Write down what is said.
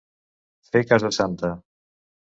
Fer casa santa.